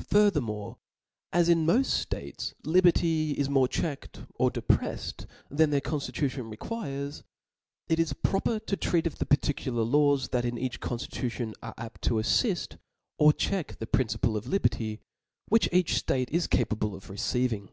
Farther, as in moft ftates, liberty is more checked or deprefled than their conftitution re quires,, it is proper to treat of the particular laws "•'' that O F L A W S. i6q that in each conftitution are apt to afTift or check Book the principle of liberty, wikich each ftate is capa r^h^p^^ ble of receiving.